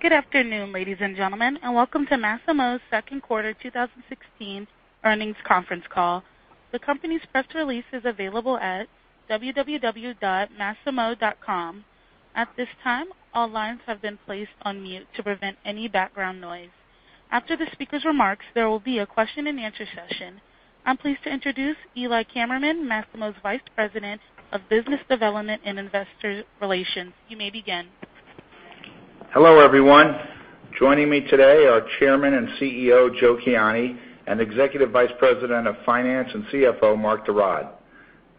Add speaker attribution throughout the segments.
Speaker 1: Good afternoon, ladies and gentlemen, welcome to Masimo's second quarter 2016 earnings conference call. The company's press release is available at www.masimo.com. At this time, all lines have been placed on mute to prevent any background noise. After the speaker's remarks, there will be a question and answer session. I am pleased to introduce Eli Kammerman, Masimo's Vice President of Business Development and Investor Relations. You may begin.
Speaker 2: Hello, everyone. Joining me today are Chairman and CEO, Joe Kiani, and Executive Vice President of Finance and CFO, Mark de Raad.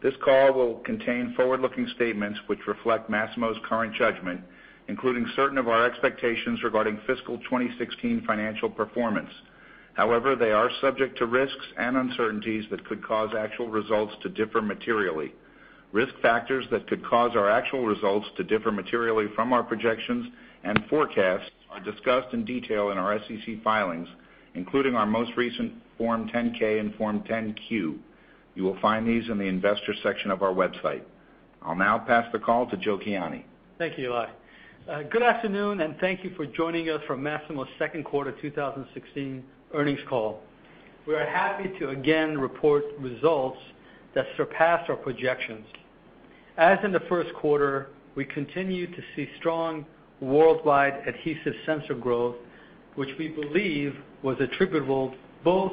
Speaker 2: This call will contain forward-looking statements which reflect Masimo's current judgment, including certain of our expectations regarding fiscal 2016 financial performance. They are subject to risks and uncertainties that could cause actual results to differ materially. Risk factors that could cause our actual results to differ materially from our projections and forecasts are discussed in detail in our SEC filings, including our most recent Form 10-K and Form 10-Q. You will find these in the Investors section of our website. I will now pass the call to Joe Kiani.
Speaker 3: Thank you, Eli. Good afternoon, thank you for joining us for Masimo's second quarter 2016 earnings call. We are happy to again report results that surpass our projections. As in the first quarter, we continue to see strong worldwide adhesive sensor growth, which we believe was attributable both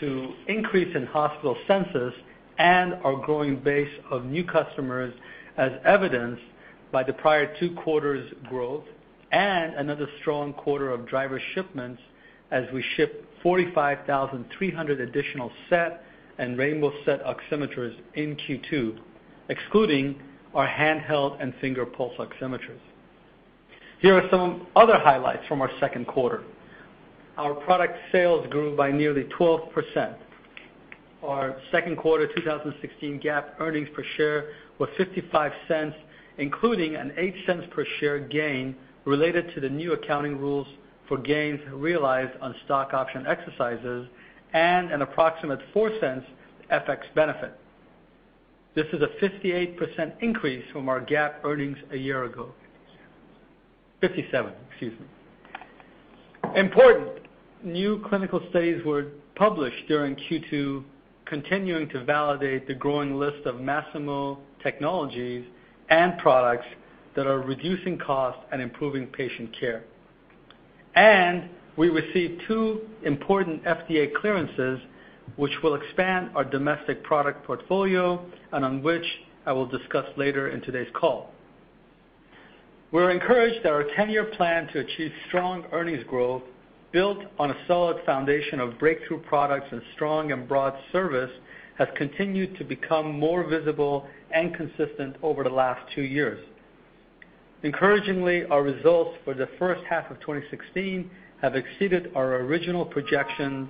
Speaker 3: to increase in hospital census and our growing base of new customers as evidenced by the prior two quarters' growth and another strong quarter of driver shipments as we ship 45,300 additional SET and rainbow SET oximeters in Q2, excluding our handheld and finger pulse oximeters. Here are some other highlights from our second quarter. Our product sales grew by nearly 12%. Our second quarter 2016 GAAP earnings per share were $0.57, including an $0.08 per share gain related to the new accounting rules for gains realized on stock option exercises and an approximate $0.04 FX benefit. This is a 57% increase from our GAAP earnings a year ago. Important new clinical studies were published during Q2, continuing to validate the growing list of Masimo technologies and products that are reducing cost and improving patient care. We received two important FDA clearances which will expand our domestic product portfolio and on which I will discuss later in today's call. We are encouraged that our 10-year plan to achieve strong earnings growth, built on a solid foundation of breakthrough products and strong and broad service, has continued to become more visible and consistent over the last two years. Encouragingly, our results for the first half of 2016 have exceeded our original projections.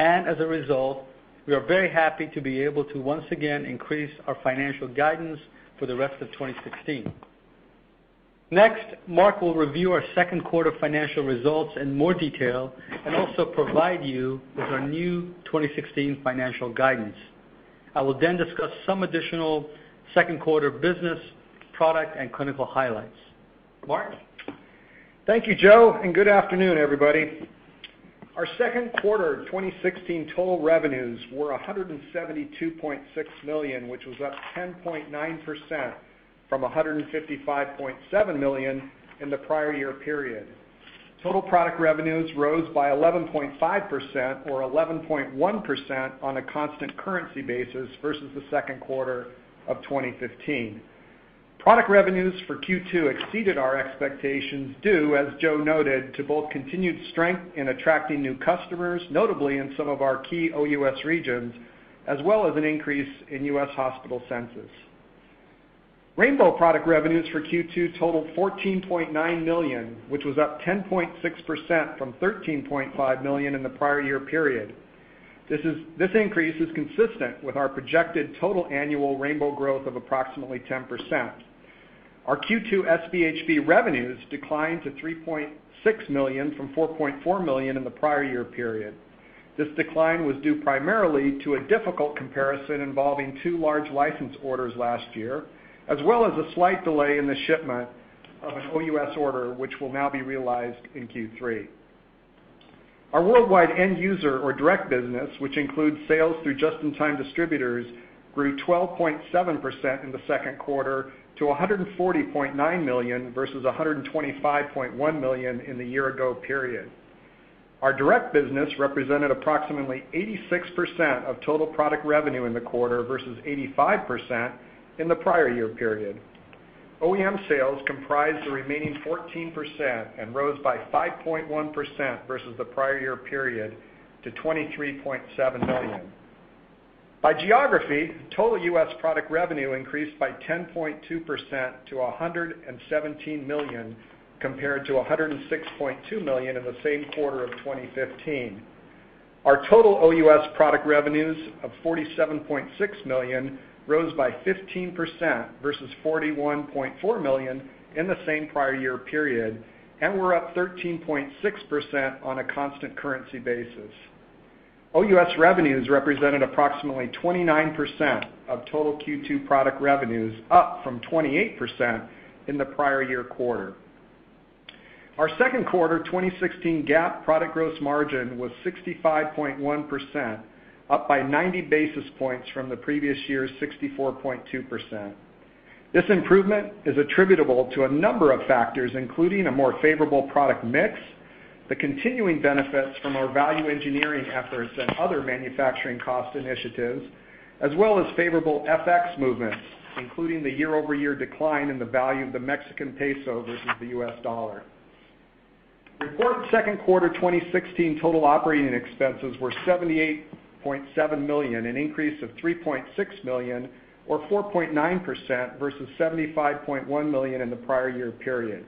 Speaker 3: As a result, we are very happy to be able to once again increase our financial guidance for the rest of 2016. Next, Mark will review our second quarter financial results in more detail and also provide you with our new 2016 financial guidance. I will then discuss some additional second quarter business, product, and clinical highlights. Mark?
Speaker 4: Thank you, Joe, and good afternoon, everybody. Our second quarter 2016 total revenues were $172.6 million, which was up 10.9% from $155.7 million in the prior year period. Total product revenues rose by 11.5%, or 11.1% on a constant currency basis versus the second quarter of 2015. Product revenues for Q2 exceeded our expectations due, as Joe noted, to both continued strength in attracting new customers, notably in some of our key OUS regions, as well as an increase in U.S. hospital census. rainbow product revenues for Q2 totaled $14.9 million, which was up 10.6% from $13.5 million in the prior year period. This increase is consistent with our projected total annual rainbow growth of approximately 10%. Our Q2 SpHb revenues declined to $3.6 million from $4.4 million in the prior year period. This decline was due primarily to a difficult comparison involving two large license orders last year, as well as a slight delay in the shipment of an OUS order, which will now be realized in Q3. Our worldwide end user or direct business, which includes sales through just-in-time distributors, grew 12.7% in the second quarter to $140.9 million versus $125.1 million in the year-ago period. Our direct business represented approximately 86% of total product revenue in the quarter versus 85% in the prior year period. OEM sales comprised the remaining 14% and rose by 5.1% versus the prior year period to $23.7 million. By geography, total U.S. product revenue increased by 10.2% to $117 million compared to $106.2 million in the same quarter of 2015. Our total OUS product revenues of $47.6 million rose by 15% versus $41.4 million in the same prior year period and were up 13.6% on a constant currency basis. OUS revenues represented approximately 29% of total Q2 product revenues, up from 28% in the prior year quarter. Our second quarter 2016 GAAP product gross margin was 65.1%, up by 90 basis points from the previous year's 64.2%. This improvement is attributable to a number of factors, including a more favorable product mix, the continuing benefits from our value engineering efforts and other manufacturing cost initiatives, as well as favorable FX movements, including the year-over-year decline in the value of the Mexican peso versus the U.S. dollar. Reported second quarter 2016 total operating expenses were $78.7 million, an increase of $3.6 million or 4.9% versus $75.1 million in the prior year period.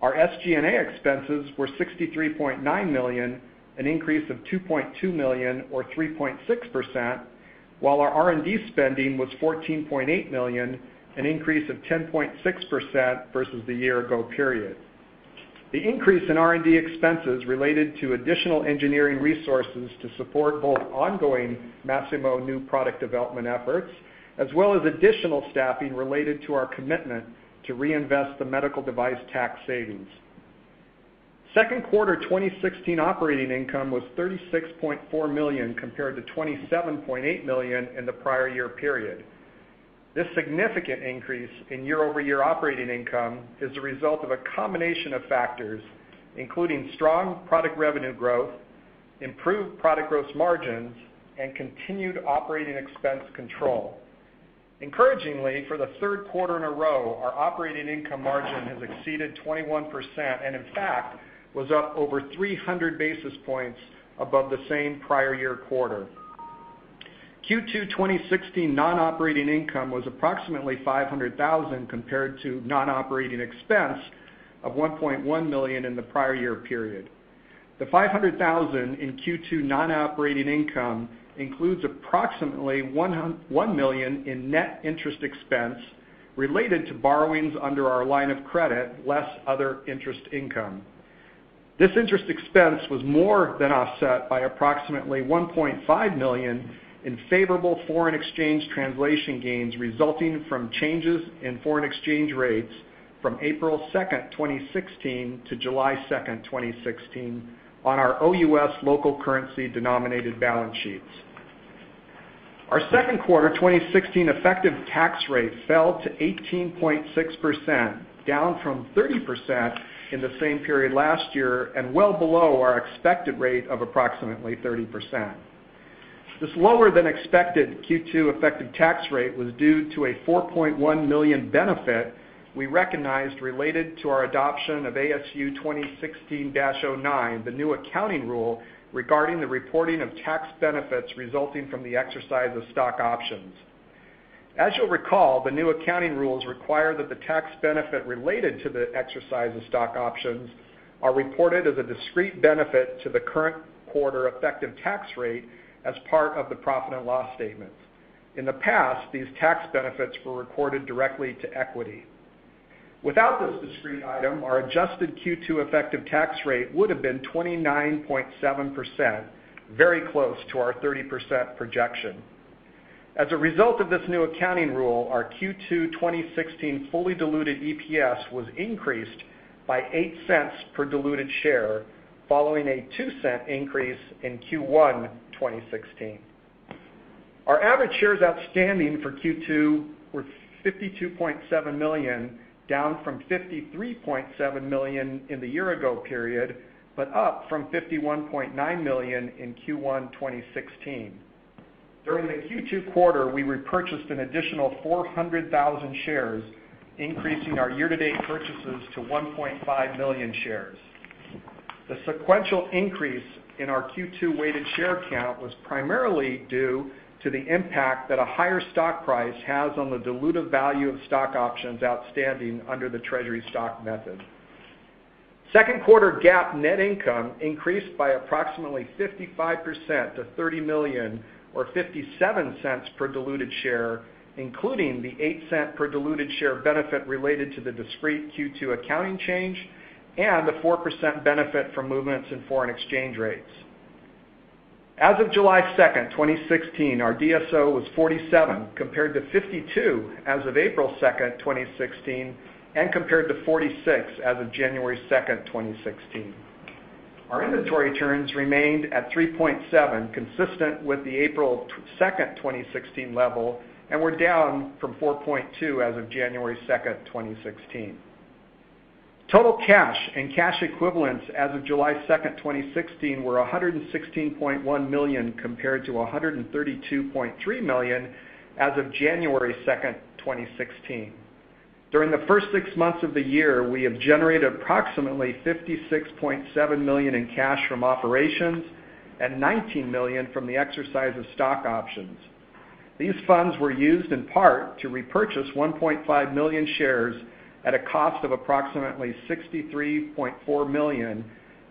Speaker 4: Our SG&A expenses were $63.9 million, an increase of $2.2 million or 3.6%, while our R&D spending was $14.8 million, an increase of 10.6% versus the year ago period. The increase in R&D expenses related to additional engineering resources to support both ongoing Masimo new product development efforts, as well as additional staffing related to our commitment to reinvest the medical device tax savings. Second quarter 2016 operating income was $36.4 million compared to $27.8 million in the prior year period. This significant increase in year-over-year operating income is a result of a combination of factors, including strong product revenue growth, improved product gross margins, and continued operating expense control. Encouragingly, for the third quarter in a row, our operating income margin has exceeded 21% and, in fact, was up over 300 basis points above the same prior year quarter. Q2 2016 non-operating income was approximately $500,000 compared to non-operating expense of $1.1 million in the prior year period. The $500,000 in Q2 non-operating income includes approximately $1 million in net interest expense related to borrowings under our line of credit, less other interest income. This interest expense was more than offset by approximately $1.5 million in favorable foreign exchange translation gains resulting from changes in foreign exchange rates from April 2nd, 2016 to July 2nd, 2016 on our OUS local currency denominated balance sheets. Our second quarter 2016 effective tax rate fell to 18.6%, down from 30% in the same period last year and well below our expected rate of approximately 30%. This lower than expected Q2 effective tax rate was due to a $4.1 million benefit we recognized related to our adoption of ASU 2016-09, the new accounting rule regarding the reporting of tax benefits resulting from the exercise of stock options. As you'll recall, the new accounting rules require that the tax benefit related to the exercise of stock options are reported as a discrete benefit to the current quarter effective tax rate as part of the profit and loss statement. In the past, these tax benefits were reported directly to equity. Without this discrete item, our adjusted Q2 effective tax rate would have been 29.7%, very close to our 30% projection. As a result of this new accounting rule, our Q2 2016 fully diluted EPS was increased by $0.08 per diluted share following a $0.02 increase in Q1 2016. Our average shares outstanding for Q2 were 52.7 million, down from 53.7 million in the year ago period, but up from 51.9 million in Q1 2016. During the Q2 quarter, we repurchased an additional 400,000 shares, increasing our year-to-date purchases to 1.5 million shares. The sequential increase in our Q2 weighted share count was primarily due to the impact that a higher stock price has on the dilutive value of stock options outstanding under the treasury stock method. Second quarter GAAP net income increased by approximately 55% to $30 million or $0.57 per diluted share, including the $0.08 per diluted share benefit related to the discrete Q2 accounting change and the 4% benefit from movements in foreign exchange rates. As of July 2nd, 2016, our DSO was 47 compared to 52 as of April 2nd, 2016 and compared to 46 as of January 2nd, 2016. Our inventory turns remained at 3.7, consistent with the April 2nd, 2016 level, and were down from 4.2 as of January 2nd, 2016. Total cash and cash equivalents as of July 2nd, 2016 were $116.1 million compared to $132.3 million as of January 2nd, 2016. During the first six months of the year, we have generated approximately $56.7 million in cash from operations and $19 million from the exercise of stock options. These funds were used in part to repurchase 1.5 million shares at a cost of approximately $63.4 million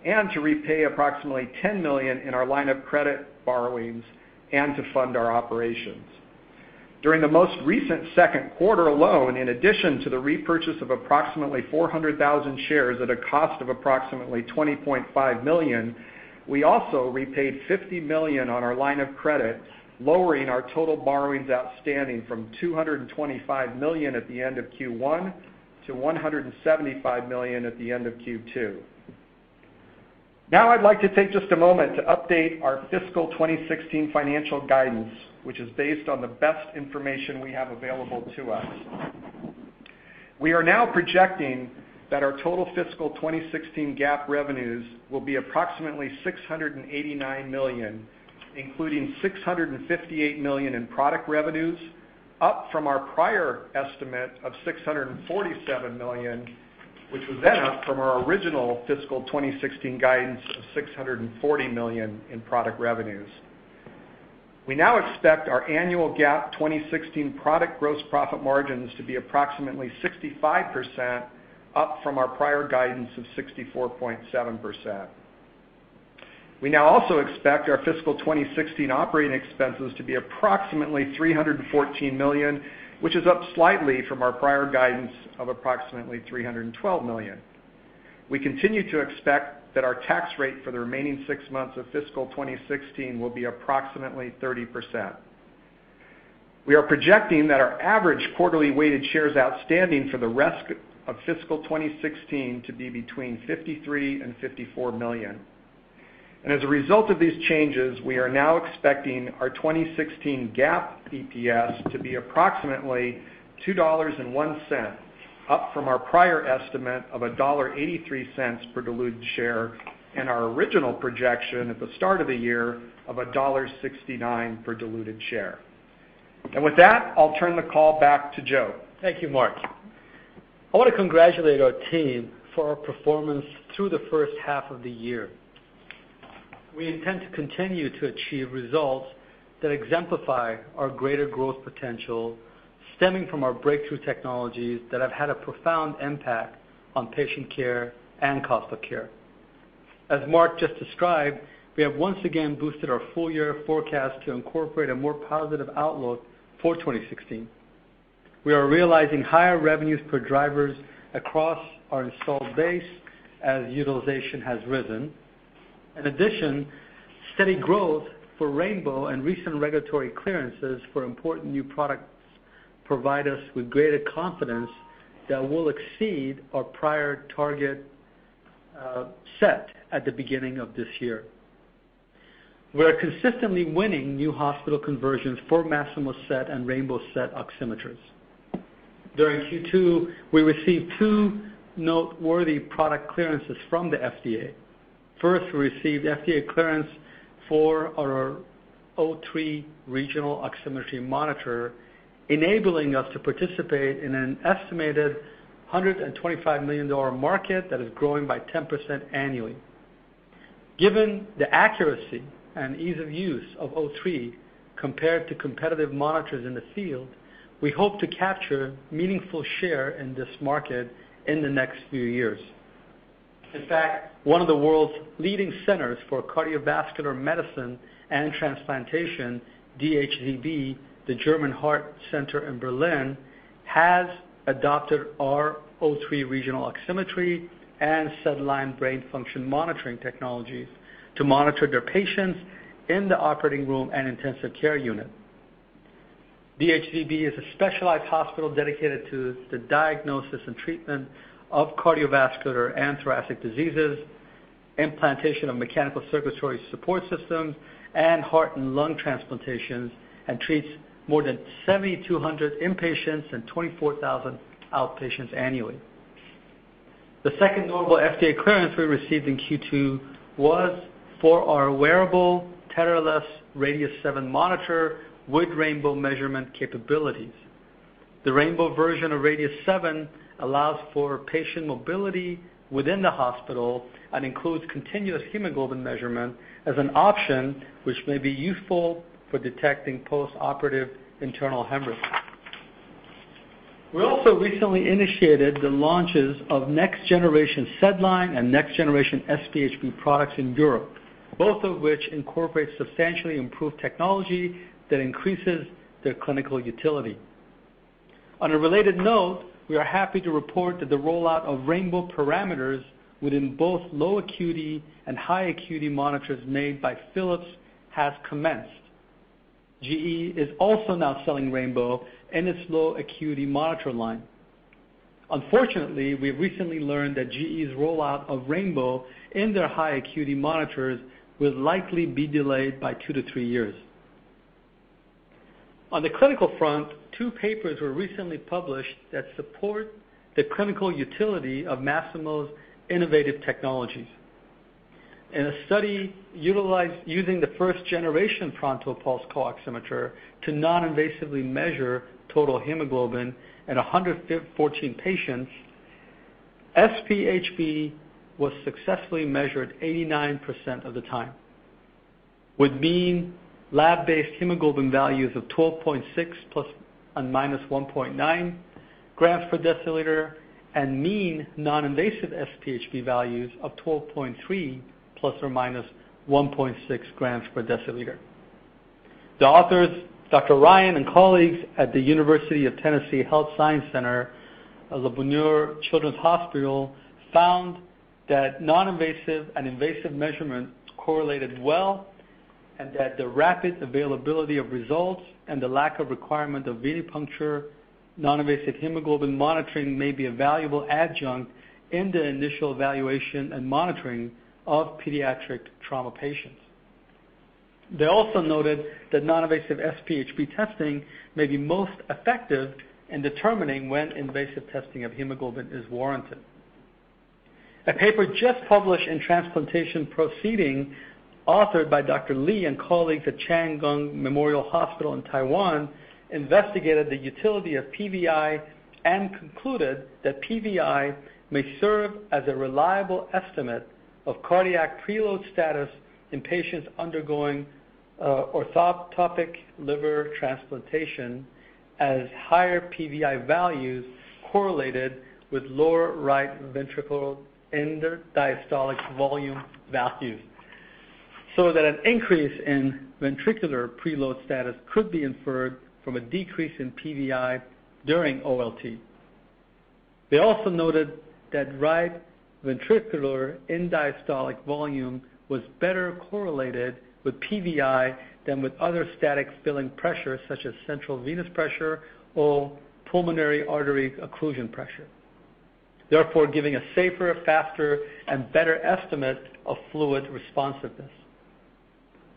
Speaker 4: and to repay approximately $10 million in our line of credit borrowings and to fund our operations. During the most recent second quarter alone, in addition to the repurchase of approximately 400,000 shares at a cost of approximately $20.5 million, we also repaid $50 million on our line of credit, lowering our total borrowings outstanding from $225 million at the end of Q1 to $175 million at the end of Q2. I'd like to take just a moment to update our fiscal 2016 financial guidance, which is based on the best information we have available to us. We are now projecting that our total fiscal 2016 GAAP revenues will be approximately $689 million, including $658 million in product revenues, up from our prior estimate of $647 million, which was then up from our original fiscal 2016 guidance of $640 million in product revenues. We now expect our annual GAAP 2016 product gross profit margins to be approximately 65%, up from our prior guidance of 64.7%. We now also expect our fiscal 2016 operating expenses to be approximately $314 million, which is up slightly from our prior guidance of approximately $312 million. We continue to expect that our tax rate for the remaining six months of fiscal 2016 will be approximately 30%. We are projecting that our average quarterly weighted shares outstanding for the rest of fiscal 2016 to be between 53 and 54 million. As a result of these changes, we are now expecting our 2016 GAAP EPS to be approximately $2.01, up from our prior estimate of $1.83 per diluted share and our original projection at the start of the year of $1.69 per diluted share. With that, I'll turn the call back to Joe.
Speaker 3: Thank you, Mark. I want to congratulate our team for our performance through the first half of the year. We intend to continue to achieve results that exemplify our greater growth potential, stemming from our breakthrough technologies that have had a profound impact on patient care and cost of care. As Mark just described, we have once again boosted our full-year forecast to incorporate a more positive outlook for 2016. We are realizing higher revenues per drivers across our installed base as utilization has risen. In addition, steady growth for rainbow and recent regulatory clearances for important new products provide us with greater confidence that we'll exceed our prior target, set at the beginning of this year. We are consistently winning new hospital conversions for Masimo SET and rainbow SET oximeters. During Q2, we received two noteworthy product clearances from the FDA. First, we received FDA clearance for our O3 regional oximetry monitor, enabling us to participate in an estimated $125 million market that is growing by 10% annually. Given the accuracy and ease of use of O3 compared to competitive monitors in the field, we hope to capture meaningful share in this market in the next few years. In fact, one of the world's leading centers for cardiovascular medicine and transplantation, DHZB, the German Heart Center Berlin, has adopted our O3 regional oximetry and SedLine brain function monitoring technologies to monitor their patients in the operating room and intensive care unit. DHZB is a specialized hospital dedicated to the diagnosis and treatment of cardiovascular and thoracic diseases, implantation of mechanical circulatory support systems, and heart and lung transplantations, and treats more than 7,200 inpatients and 24,000 outpatients annually. The second notable FDA clearance we received in Q2 was for our wearable tetherless Rad-7 monitor with rainbow measurement capabilities. The rainbow version of Rad-7 allows for patient mobility within the hospital and includes continuous hemoglobin measurement as an option which may be useful for detecting postoperative internal hemorrhage. We also recently initiated the launches of next-generation SedLine and next-generation SpHb products in Europe, both of which incorporate substantially improved technology that increases their clinical utility. On a related note, we are happy to report that the rollout of rainbow parameters within both low acuity and high acuity monitors made by Philips has commenced. GE is also now selling rainbow in its low acuity monitor line. Unfortunately, we've recently learned that GE's rollout of rainbow in their high acuity monitors will likely be delayed by two to three years. On the clinical front, two papers were recently published that support the clinical utility of Masimo's innovative technologies. In a study using the first generation Pronto pulse oximeter to noninvasively measure total hemoglobin in 114 patients, SpHb was successfully measured 89% of the time, with mean lab-based hemoglobin values of 12.6 plus and minus 1.9 grams per deciliter and mean noninvasive SpHb values of 12.3 plus or minus 1.6 grams per deciliter. The authors, Dr. Ryan and colleagues at the University of Tennessee Health Science Center, Le Bonheur Children's Hospital, found that non-invasive and invasive measurement correlated well, and that the rapid availability of results and the lack of requirement of venipuncture non-invasive hemoglobin monitoring may be a valuable adjunct in the initial evaluation and monitoring of pediatric trauma patients. They also noted that non-invasive SpHb testing may be most effective in determining when invasive testing of hemoglobin is warranted. A paper just published in "Transplantation Proceedings," authored by Dr. Lee and colleagues at Chang Gung Memorial Hospital in Taiwan, investigated the utility of PVI and concluded that PVI may serve as a reliable estimate of cardiac preload status in patients undergoing orthotopic liver transplantation, as higher PVI values correlated with lower right ventricle end diastolic volume values. That an increase in ventricular preload status could be inferred from a decrease in PVI during OLT. They also noted that right ventricular end diastolic volume was better correlated with PVI than with other static filling pressures such as central venous pressure or pulmonary artery occlusion pressure, therefore giving a safer, faster, and better estimate of fluid responsiveness.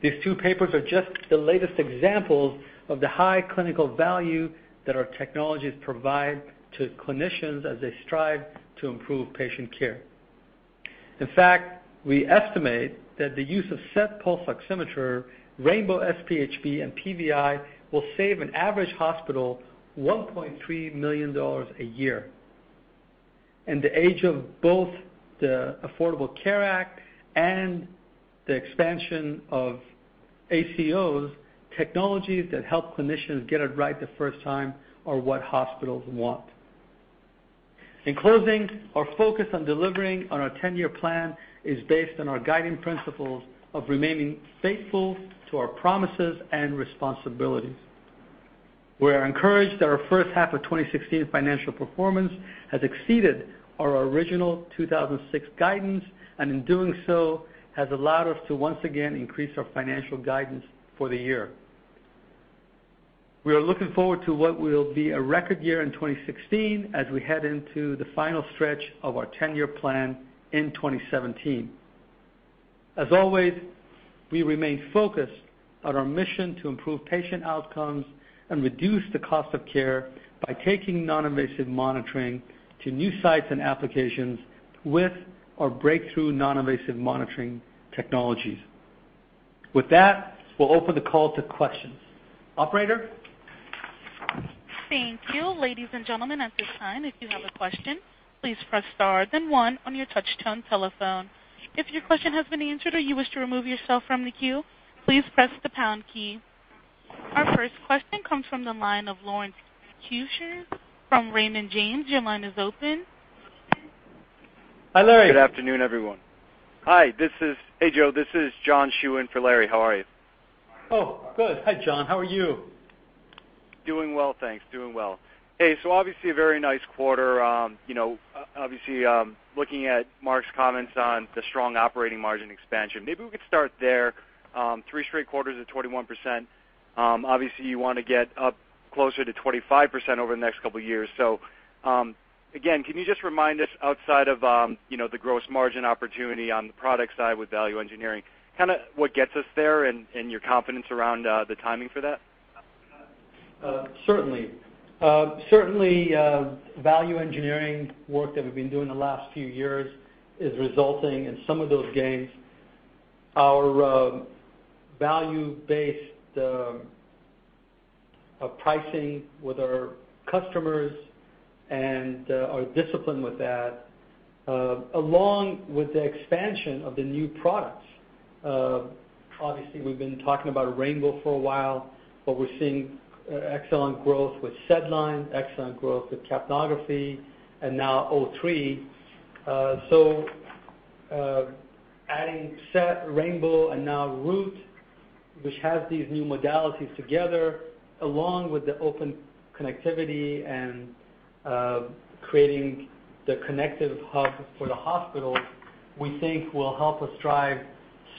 Speaker 3: These two papers are just the latest examples of the high clinical value that our technologies provide to clinicians as they strive to improve patient care. In fact, we estimate that the use of SET pulse oximeter, rainbow SpHb, and PVI will save an average hospital $1.3 million a year. In the age of both the Affordable Care Act and the expansion of ACOs, technologies that help clinicians get it right the first time are what hospitals want. In closing, our focus on delivering on our 10-year plan is based on our guiding principles of remaining faithful to our promises and responsibilities. We are encouraged that our first half of 2016 financial performance has exceeded our original 2016 guidance, and in doing so, has allowed us to once again increase our financial guidance for the year. We are looking forward to what will be a record year in 2016 as we head into the final stretch of our 10-year plan in 2017. As always, we remain focused on our mission to improve patient outcomes and reduce the cost of care by taking non-invasive monitoring to new sites and applications with our breakthrough non-invasive monitoring technologies. With that, we'll open the call to questions. Operator?
Speaker 1: Thank you. Ladies and gentlemen, at this time, if you have a question, please press star then one on your touch tone telephone. If your question has been answered or you wish to remove yourself from the queue, please press the pound key. Our first question comes from the line of Lawrence Keusch from Raymond James. Your line is open.
Speaker 3: Hi, Larry.
Speaker 5: Good afternoon, everyone. Hey, Joe. This is John Schewyn for Larry. How are you?
Speaker 3: Oh, good. Hi, John. How are you?
Speaker 5: Doing well, thanks. Doing well. Hey, obviously, a very nice quarter. Obviously, looking at Mark's comments on the strong operating margin expansion. Maybe we could start there. Three straight quarters at 21%. Obviously, you want to get up closer to 25% over the next couple of years. Again, can you just remind us outside of the gross margin opportunity on the product side with value engineering, what gets us there and your confidence around the timing for that?
Speaker 3: Certainly. Certainly, value engineering work that we've been doing the last few years is resulting in some of those gains. Our value-based pricing with our customers and our discipline with that, along with the expansion of the new products. Obviously, we've been talking about rainbow for a while, but we're seeing excellent growth with SedLine, excellent growth with capnography, and now O3. Adding SET, rainbow, and now Root, which has these new modalities together, along with the open connectivity and creating the connective hub for the hospital, we think will help us drive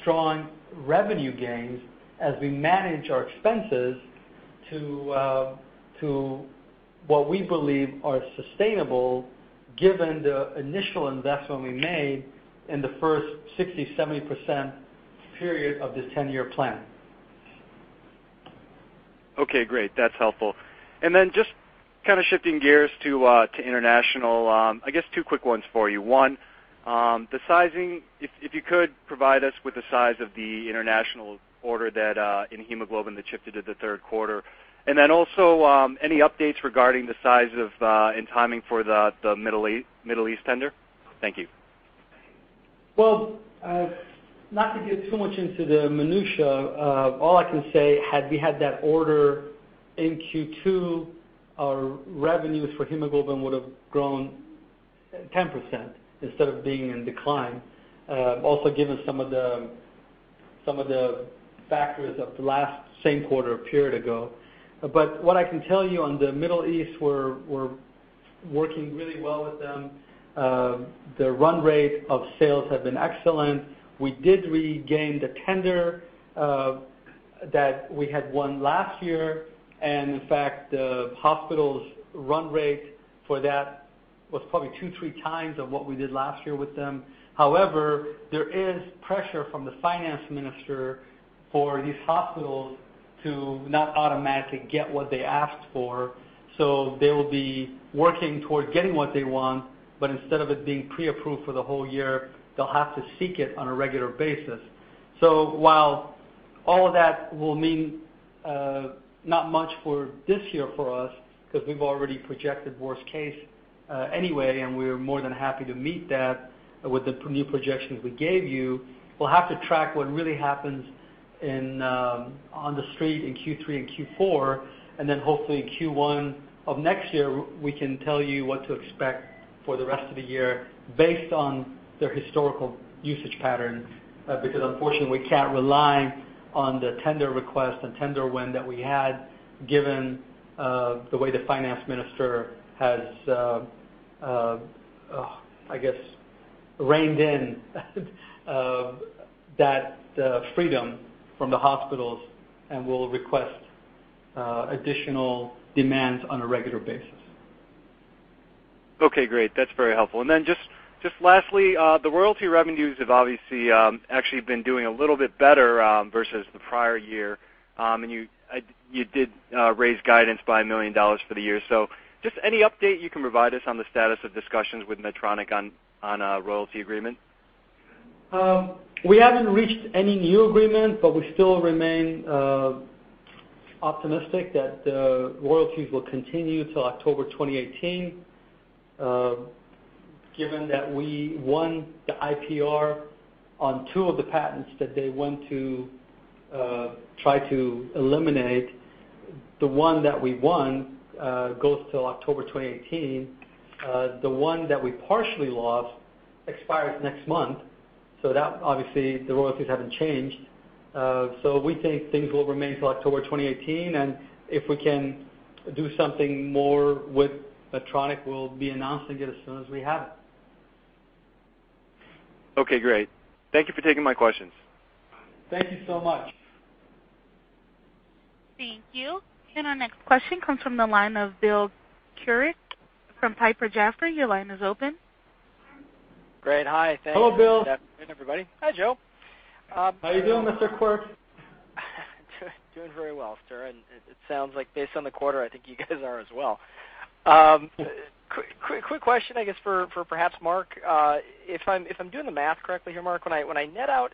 Speaker 3: strong revenue gains as we manage our expenses to what we believe are sustainable given the initial investment we made in the first 60, 70% period of this 10-year plan.
Speaker 5: Okay, great. That's helpful. Just shifting gears to international, I guess two quick ones for you. One, the sizing, if you could provide us with the size of the international order that in hemoglobin that shipped into the third quarter. Also, any updates regarding the size of and timing for the Middle East tender? Thank you.
Speaker 3: Well, not to get too much into the minutiae, all I can say, had we had that order in Q2, our revenues for hemoglobin would have grown 10% instead of being in decline. Also, given some of the factors of the last same quarter a period ago. What I can tell you on the Middle East, we're working really well with them. The run rate of sales has been excellent. We did regain the tender that we had won last year, and in fact, the hospital's run rate for that was probably two, three times of what we did last year with them. However, there is pressure from the finance minister for these hospitals to not automatically get what they asked for. They will be working toward getting what they want, but instead of it being pre-approved for the whole year, they'll have to seek it on a regular basis. While all of that will mean not much for this year for us, because we've already projected worst case anyway, and we're more than happy to meet that with the new projections we gave you. We'll have to track what really happens on the street in Q3 and Q4, and then hopefully in Q1 of next year, we can tell you what to expect for the rest of the year based on their historical usage patterns. Unfortunately, we can't rely on the tender request and tender win that we had, given the way the finance minister has, I guess, reined in that freedom from the hospitals and will request additional demands on a regular basis.
Speaker 5: Okay, great. That's very helpful. Just lastly, the royalty revenues have obviously actually been doing a little bit better versus the prior year. You did raise guidance by $1 million for the year. Just any update you can provide us on the status of discussions with Medtronic on a royalty agreement?
Speaker 3: We haven't reached any new agreement, we still remain optimistic that the royalties will continue till October 2018, given that we won the IPR on two of the patents that they want to try to eliminate. The one that we won goes till October 2018. The one that we partially lost expires next month, so that obviously the royalties haven't changed. We think things will remain till October 2018, and if we can do something more with Medtronic, we'll be announcing it as soon as we have it.
Speaker 5: Okay, great. Thank you for taking my questions.
Speaker 3: Thank you so much.
Speaker 1: Thank you. Our next question comes from the line of Bill Quirk from Piper Jaffray. Your line is open.
Speaker 6: Great. Hi. Thanks.
Speaker 3: Hello, Bill.
Speaker 6: Good afternoon, everybody. Hi, Joe.
Speaker 3: How are you doing, Mr. Quirk?
Speaker 6: Doing very well, sir, and it sounds like based on the quarter, I think you guys are as well. Quick question, I guess for perhaps Mark. If I'm doing the math correctly here, Mark, when I net out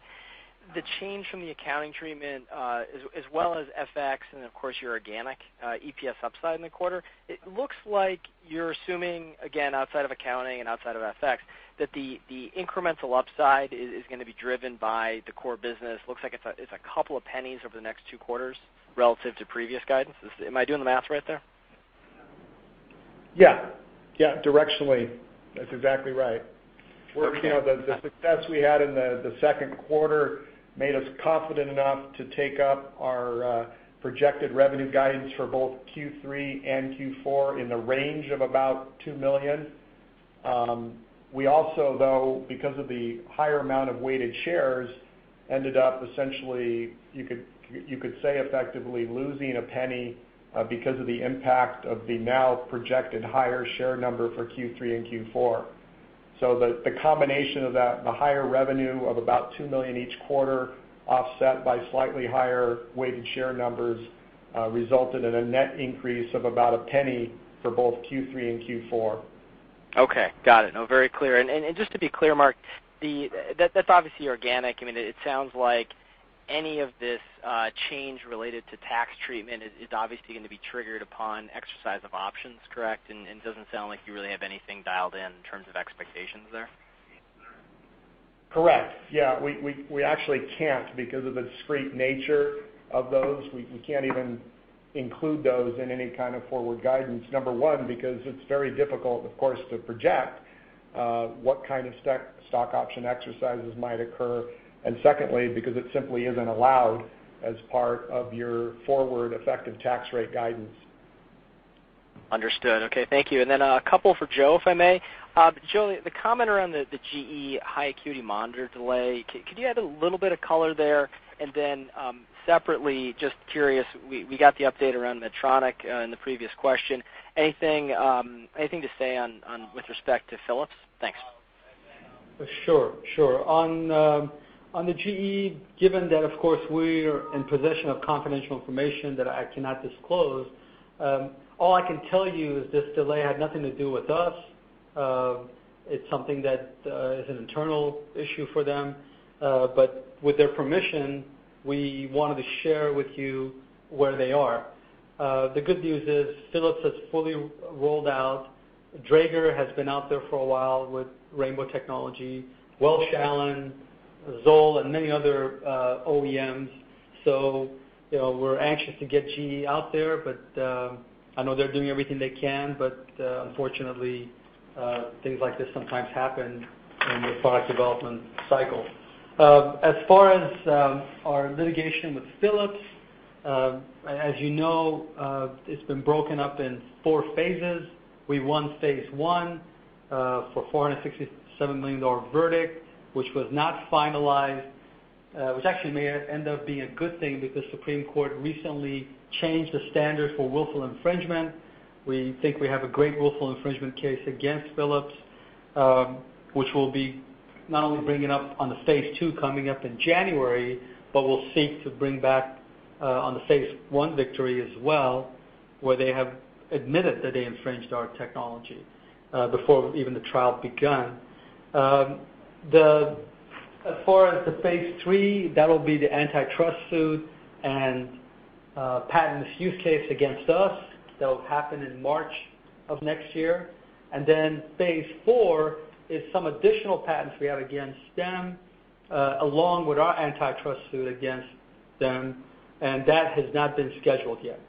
Speaker 6: the change from the accounting treatment as well as FX and of course, your organic EPS upside in the quarter, it looks like you're assuming, again, outside of accounting and outside of FX, that the incremental upside is going to be driven by the core business. Looks like it's a couple of pennies over the next two quarters relative to previous guidance. Am I doing the math right there?
Speaker 4: Yeah. Directionally, that's exactly right.
Speaker 6: Okay.
Speaker 4: The success we had in the second quarter made us confident enough to take up our projected revenue guidance for both Q3 and Q4 in the range of about $2 million. We also, though, because of the higher amount of weighted shares, ended up essentially, you could say, effectively losing a penny because of the impact of the now projected higher share number for Q3 and Q4. The combination of the higher revenue of about $2 million each quarter, offset by slightly higher weighted share numbers, resulted in a net increase of about a penny for both Q3 and Q4.
Speaker 6: Okay. Got it. No, very clear. Just to be clear, Mark, that's obviously organic. It sounds like any of this change related to tax treatment is obviously going to be triggered upon exercise of options, correct? It doesn't sound like you really have anything dialed in terms of expectations there?
Speaker 4: Correct. Yeah, we actually can't because of the discrete nature of those. We can't even include those in any kind of forward guidance. Number one, because it's very difficult, of course, to project what kind of stock option exercises might occur, and secondly, because it simply isn't allowed as part of your forward effective tax rate guidance.
Speaker 6: Understood. Okay. Thank you. A couple for Joe, if I may. Joe, the comment around the GE high acuity monitor delay, could you add a little bit of color there? Separately, just curious, we got the update around Medtronic in the previous question. Anything to say with respect to Philips? Thanks.
Speaker 3: Sure. On the GE, given that, of course, we are in possession of confidential information that I cannot disclose, all I can tell you is this delay had nothing to do with us. It's something that is an internal issue for them. With their permission, we wanted to share with you where they are. The good news is Philips has fully rolled out. Dräger has been out there for a while with rainbow technology, Welch Allyn, ZOLL, and many other OEMs. We're anxious to get GE out there, but I know they're doing everything they can, unfortunately, things like this sometimes happen in the product development cycle. As far as our litigation with Philips, as you know it's been broken up in 4 phases. We won phase I for a $467 million verdict, which was not finalized, which actually may end up being a good thing because Supreme Court recently changed the standard for willful infringement. We think we have a great willful infringement case against Philips, which we'll be not only bringing up on the phase II coming up in January, but we'll seek to bring back on the phase I victory as well, where they have admitted that they infringed our technology before even the trial begun. As far as the phase III, that'll be the antitrust suit and patent misuse case against us. That'll happen in March of next year. Phase IV is some additional patents we have against them, along with our antitrust suit against them, and that has not been scheduled yet.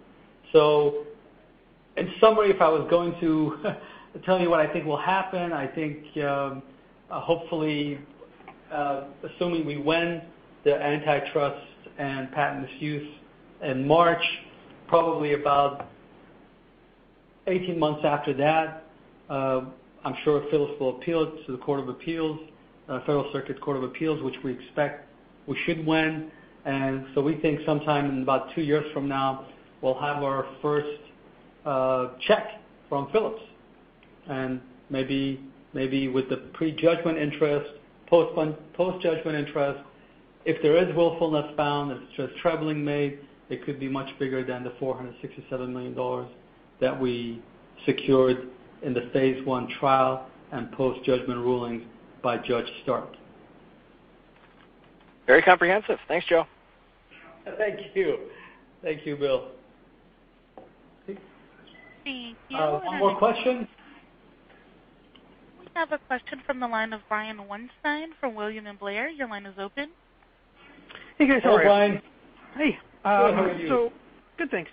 Speaker 3: In summary, if I was going to tell you what I think will happen, I think hopefully, assuming we win the antitrust and patent misuse in March, probably about 18 months after that, I'm sure Philips will appeal it to the Federal Circuit Court of Appeals, which we expect we should win. We think sometime in about 2 years from now, we'll have our first check from Philips. Maybe with the pre-judgment interest, post-judgment interest, if there is willfulness found, if there's trebling made, it could be much bigger than the $467 million that we secured in the phase I trial and post-judgment rulings by Judge Stark.
Speaker 6: Very comprehensive. Thanks, Joe.
Speaker 3: Thank you. Thank you, Bill.
Speaker 1: Thank you.
Speaker 3: One more question.
Speaker 1: We have a question from the line of Brian Weinstein from William Blair. Your line is open.
Speaker 7: Hey, guys.
Speaker 3: Hello, Brian.
Speaker 7: Hey.
Speaker 3: How are you?
Speaker 7: Good, thanks.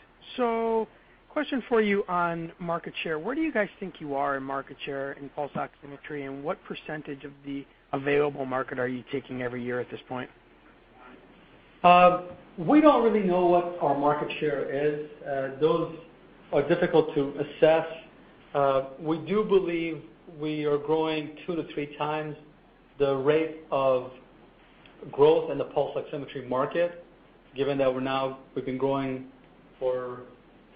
Speaker 7: Question for you on market share. Where do you guys think you are in market share in pulse oximetry, and what % of the available market are you taking every year at this point?
Speaker 3: We don't really know what our market share is. Those are difficult to assess. We do believe we are growing two to three times the rate of growth in the pulse oximetry market, given that we've been growing for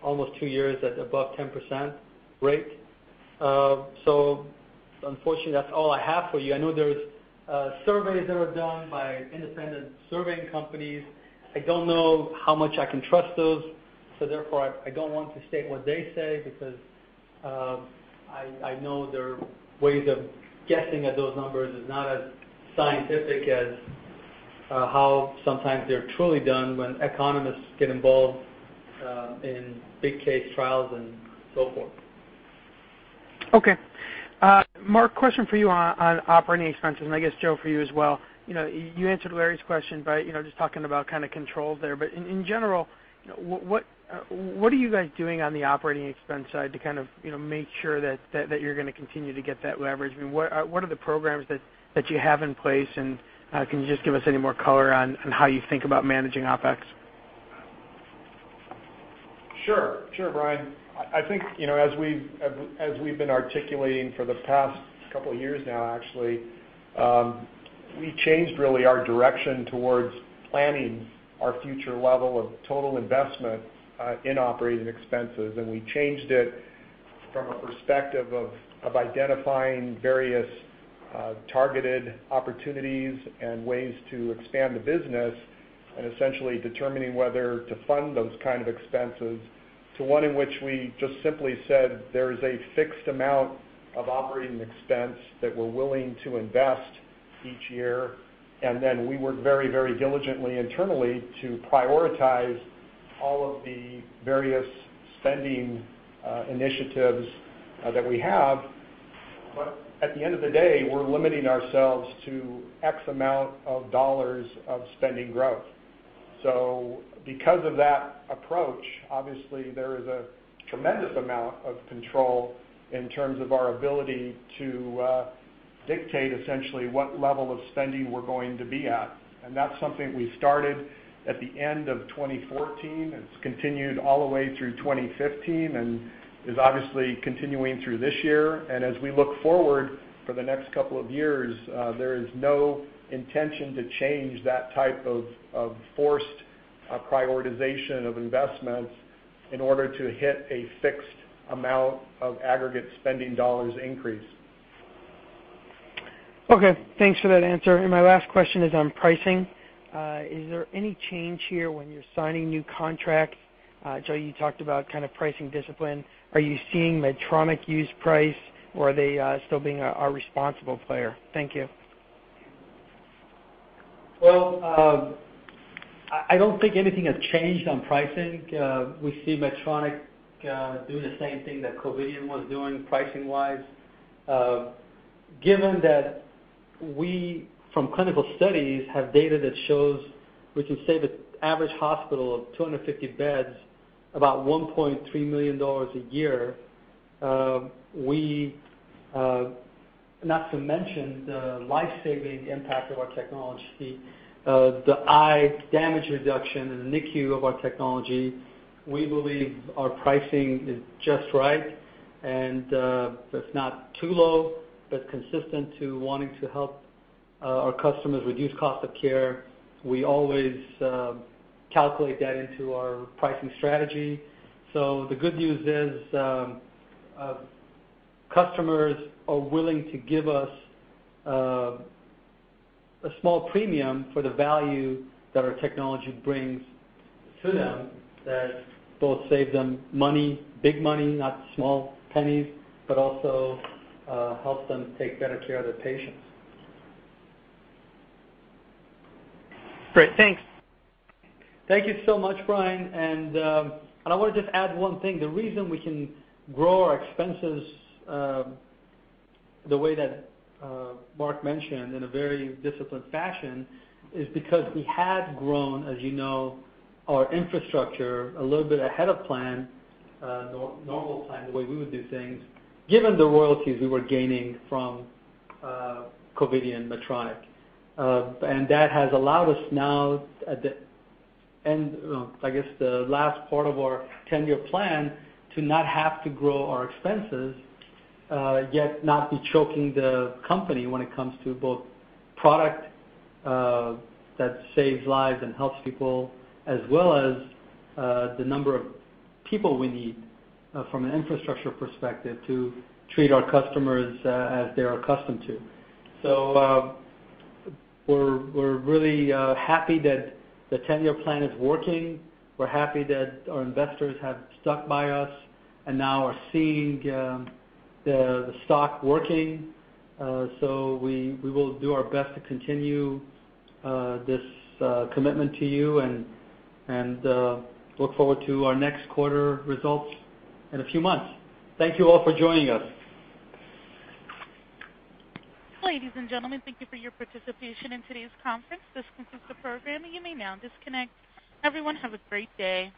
Speaker 3: almost two years at above 10% rate. Unfortunately, that's all I have for you. I know there's surveys that are done by independent surveying companies. I don't know how much I can trust those, therefore, I don't want to state what they say because I know their ways of guessing at those numbers is not as scientific as how sometimes they're truly done when economists get involved in big case trials and so forth.
Speaker 7: Okay. Mark, question for you on operating expenses, and I guess, Joe, for you as well. You answered Larry's question by just talking about controls there. In general, what are you guys doing on the operating expense side to make sure that you're going to continue to get that leverage? What are the programs that you have in place, and can you just give us any more color on how you think about managing OpEx?
Speaker 4: Sure, Brian. I think as we've been articulating for the past couple of years now, actually, we changed really our direction towards planning our future level of total investment in operating expenses. We changed it from a perspective of identifying various targeted opportunities and ways to expand the business and essentially determining whether to fund those kind of expenses to one in which we just simply said there is a fixed amount of operating expense that we're willing to invest each year. We work very diligently internally to prioritize all of the various spending initiatives that we have. At the end of the day, we're limiting ourselves to $X amount of spending growth. Because of that approach, obviously, there is a tremendous amount of control in terms of our ability to dictate essentially what level of spending we're going to be at. That's something we started at the end of 2014, and it's continued all the way through 2015 and is obviously continuing through this year. As we look forward for the next couple of years, there is no intention to change that type of forced prioritization of investments in order to hit a fixed amount of aggregate spending $ increase.
Speaker 7: Okay. Thanks for that answer. My last question is on pricing. Is there any change here when you're signing new contracts? Joe, you talked about pricing discipline. Are you seeing Medtronic use price, or are they still being a responsible player? Thank you.
Speaker 3: Well, I don't think anything has changed on pricing. We see Medtronic doing the same thing that Covidien was doing pricing-wise. Given that we, from clinical studies, have data that shows we can save an average hospital of 250 beds about $1.3 million a year, not to mention the life-saving impact of our technology, the eye damage reduction in the NICU of our technology, we believe our pricing is just right, and it's not too low, but consistent to wanting to help our customers reduce cost of care. We always calculate that into our pricing strategy. The good news is, customers are willing to give us a small premium for the value that our technology brings to them that both save them money, big money, not small pennies, but also helps them take better care of their patients.
Speaker 7: Great. Thanks.
Speaker 3: Thank you so much, Brian. I want to just add one thing. The reason we can grow our expenses the way that Mark mentioned, in a very disciplined fashion, is because we had grown, as you know, our infrastructure a little bit ahead of plan, normal plan, the way we would do things, given the royalties we were gaining from Covidien and Medtronic. That has allowed us now at the end, I guess, the last part of our 10-year plan to not have to grow our expenses, yet not be choking the company when it comes to both product that saves lives and helps people, as well as the number of people we need from an infrastructure perspective to treat our customers as they're accustomed to. We're really happy that the 10-year plan is working. We're happy that our investors have stuck by us and now are seeing the stock working. We will do our best to continue this commitment to you and look forward to our next quarter results in a few months. Thank you all for joining us.
Speaker 1: Ladies and gentlemen, thank you for your participation in today's conference. This concludes the program. You may now disconnect. Everyone, have a great day.